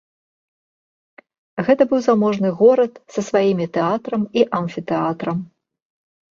Гэта быў заможны горад са сваімі тэатрам і амфітэатрам.